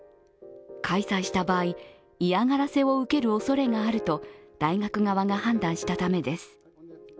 開催した場合、嫌がらせを受けるおそれがあると大学側が判断したためです。